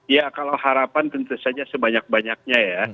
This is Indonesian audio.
ya kalau harapan tentu saja sebanyak banyaknya ya